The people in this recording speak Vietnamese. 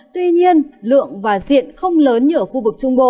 tuy nhiên lượng và diện không lớn như ở khu vực trung bộ